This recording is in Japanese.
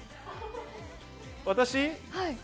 私？